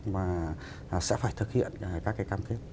mà sẽ phải thực hiện các cái cam kết